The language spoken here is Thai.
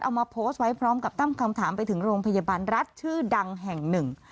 เอามาโพสต์ไว้พร้อมกับตั้งคำถามไปถึงโรงพยาบาลรัฐชื่อดังแห่งหนึ่ง